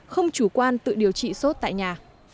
không chủ quan tự điều trị sốt tại nhà